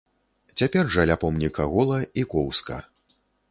Цяпер жа ля помніка гола і коўзка.